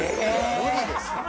無理ですよ。